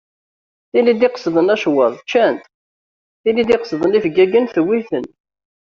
Tin d-iqesden acewwaḍ, tečča-t. Tin d-iqesden ifeggagen, tewwi-ten.